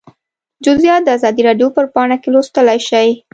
جزییات د ازادي راډیو په پاڼه کې لوستلی شئ